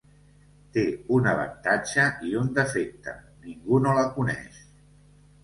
Té un avantatge i un defecte: ningú no la coneix.